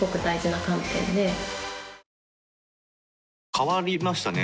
変わりましたね。